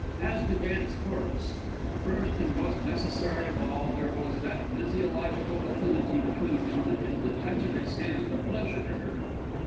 As to Vance Corliss. First, and most necessary of all, there was that physiological affinity between them that made the touch of his hand a pleasure to her.